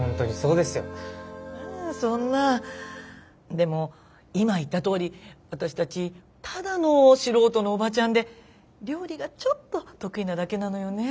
でも今言ったとおり私たちただの素人のおばちゃんで料理がちょっと得意なだけなのよねえ。